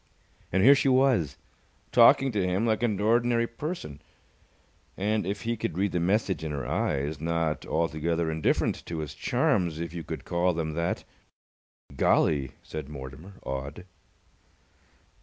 And here she was, talking to him like an ordinary person, and, if he could read the message in her eyes, not altogether indifferent to his charms, if you could call them that. "Golly!" said Mortimer, awed.